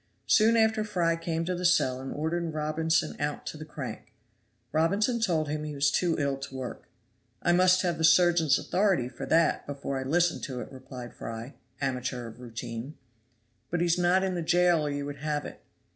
Soon after Fry came to the cell and ordered Robinson out to the crank. Robinson told him he was too ill to work. "I must have the surgeon's authority for that, before I listen to it," replied Fry, amateur of routine. "But he is not in the jail, or you would have it."